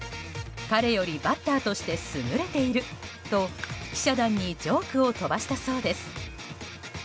彼よりバッターとして優れていると記者団にジョークを飛ばしたそうです。